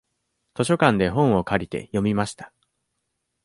図書館で本を借りて、読みました。